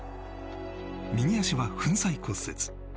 右足は粉砕骨折。